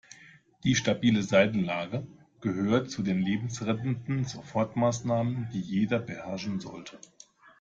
Die stabile Seitenlage gehört zu den lebensrettenden Sofortmaßnahmen, die jeder beherrschen sollte.